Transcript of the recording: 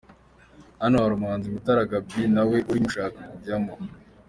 Hano hari umuhanzi Mutara Gaby nawe uri gushaka kujyamo